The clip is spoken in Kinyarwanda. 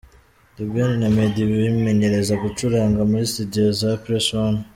The Ben na Meddy bimenyereza gucuranga muri Studio za Press One.